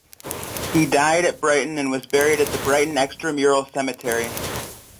He died at Brighton and was buried at the Brighton Extra Mural Cemetery.